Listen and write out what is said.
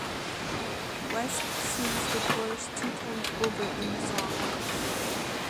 West sings the chorus two times over in the song.